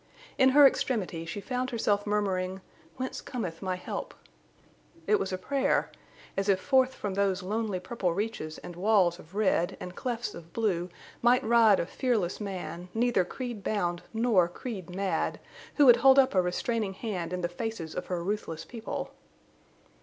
In her extremity she found herself murmuring, "Whence cometh my help!" It was a prayer, as if forth from those lonely purple reaches and walls of red and clefts of blue might ride a fearless man, neither creed bound nor creed mad, who would hold up a restraining hand in the faces of her ruthless people.